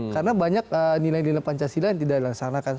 karena banyak nilai nilai pancasila yang tidak dilaksanakan